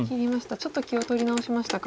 ちょっと気を取り直しましたか。